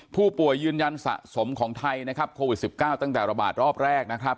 ผู้ป่วยยืนยันสะสมของไทยนะครับโควิด๑๙ตั้งแต่ระบาดรอบแรกนะครับ